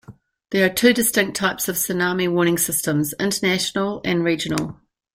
There are two distinct types of tsunami warning systems: international and regional.